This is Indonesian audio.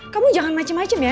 kamu jangan macem macem ya